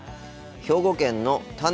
兵庫県のた